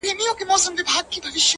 • په درد آباد کي؛ ویر د جانان دی؛